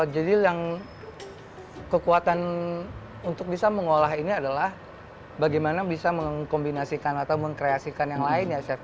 jadi yang kekuatan untuk bisa mengolah ini adalah bagaimana bisa mengkombinasikan atau mengkreasikan yang lain ya chef